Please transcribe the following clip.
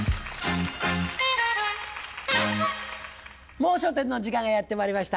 『もう笑点』の時間がやってまいりました。